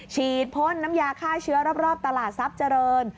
ฉีดพ่นน้ำยาฆ่าเชื้อรอบตลาดทรัพย์เจริญ